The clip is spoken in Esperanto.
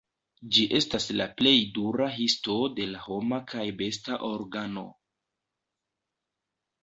Ĝi estas la plej dura histo de la homa kaj besta organo.